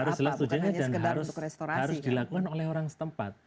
harus jelas tujuannya dan harus dilakukan oleh orang setempat